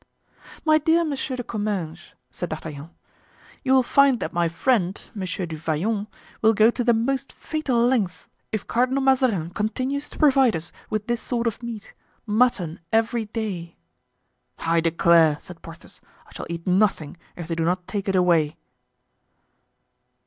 "My dear Monsieur de Comminges," said D'Artagnan, "you will find that my friend, Monsieur du Vallon, will go to the most fatal lengths if Cardinal Mazarin continues to provide us with this sort of meat; mutton every day." "I declare," said Porthos, "I shall eat nothing if they do not take it away."